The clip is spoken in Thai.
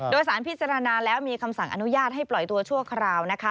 โดยสารพิจารณาแล้วมีคำสั่งอนุญาตให้ปล่อยตัวชั่วคราวนะคะ